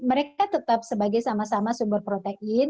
mereka tetap sebagai sama sama sumber protein